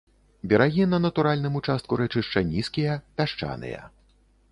Берагі на натуральным участку рэчышча нізкія, пясчаныя.